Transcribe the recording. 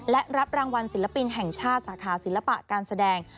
และรับรางวัลศิลปินแห่งชาติสาขาศิลปะการแสดง